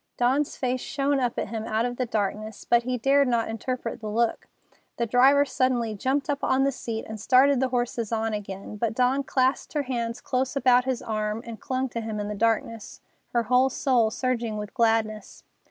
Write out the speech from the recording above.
Dawn's face shone up at him out of the darkness, but he dared not interpret the look. The driver suddenly jumped up on the seat and started the horses on again, but Dawn clasped her hands close about his arm and clung to him in the darkness, her whole soul surging with gladness.